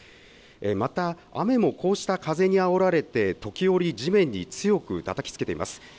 また雨もこうした風にあおられて時折、地面に強くたたきつけています。